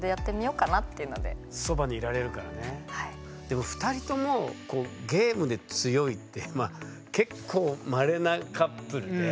でも２人ともゲームで強いって結構まれなカップルで。